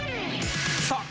さあ！